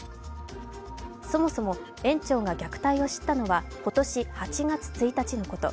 そもそも園長が虐待を知ったのは今年８月１日のこと。